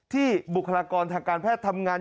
บุคลากรทางการแพทย์ทำงาน